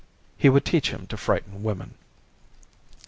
He would teach him to frighten women.